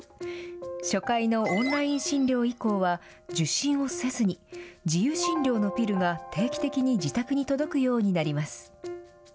初回のオンライン診療以降は受診をせずに自由診療のピルが定期的に自宅に届くようになります。